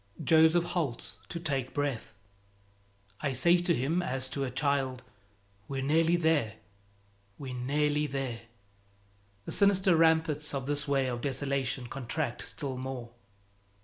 Joseph halts to take breath. I say to him as to a child, "We're nearly there, we're nearly there." The sinister ramparts of this way of desolation contract still more.